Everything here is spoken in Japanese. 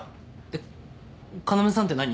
えっ要さんって何？